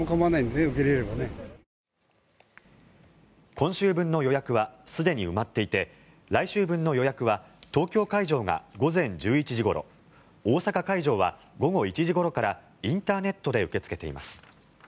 今週分の予約はすでに埋まっていて来週分の予約は東京会場が午前１１時ごろ大阪会場は午後１時ごろからインターネットで受け付けています。